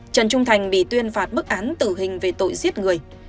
trần trung thành bị tuyên phạt bức án tử hình về tội giết người